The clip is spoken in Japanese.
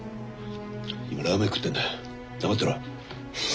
今ラーメン食ってんだ黙ってろ。